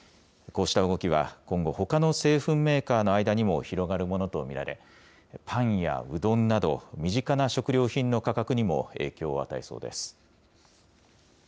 こうした動きは今後、ほかの製粉メーカーの間にも広がるものと見られ、パンやうどんなど、身近な食料品の価格にも影響を与えそうです。